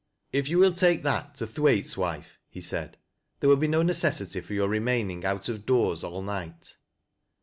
" If you will take that tt Thwailee wife," he said, " there will be no necessity for your re maining out of doore all night."